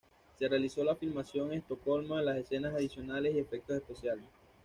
Se realizó la filmación en Estocolmo de las escenas adicionales y efectos especiales.